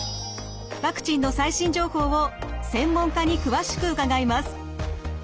ワクチンの最新情報を専門家に詳しく伺います。